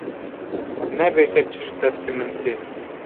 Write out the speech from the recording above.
nebêje çi ji destê min tê.